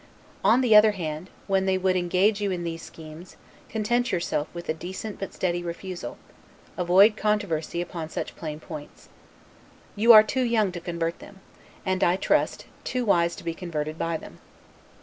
On the other hand, when they would engage you in these schemes, content yourself with a decent but steady refusal; avoid controversy upon such plain points. You are too young to convert them; and, I trust, too wise to be converted by them.